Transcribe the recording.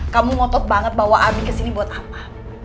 kamu ngotot banget bawa abi ke sini buat apa